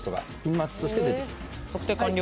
測定完了。